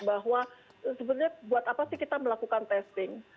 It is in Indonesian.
bahwa sebenarnya buat apa sih kita melakukan testing